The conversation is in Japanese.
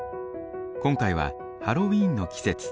今回はハロウィーンの季節。